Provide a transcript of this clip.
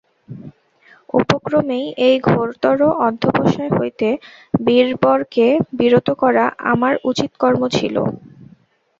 উপক্রমেই এই ঘোরতর অধ্যবসায় হইতে বীরবরকে বিরত করা আমার উচিত কর্ম ছিল।